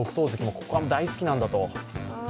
ここが大好きなんだと。